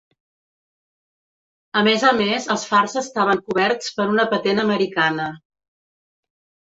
A més a més, els fars estaven coberts per una patent americana.